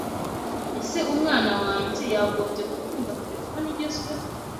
Ese umwana wange yagombye gutunga terefone igezweho